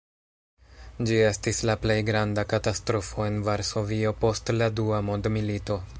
Ĝi estis la plej granda katastrofo en Varsovio post la dua mondmilito.